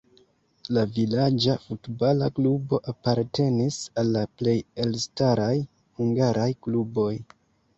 La vilaĝa futbala klubo apartenis al la plej elstaraj hungaraj kluboj.